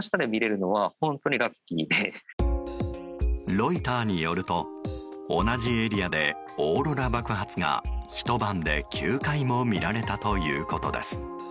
ロイターによると同じエリアでオーロラ爆発がひと晩で９回も見られたということです。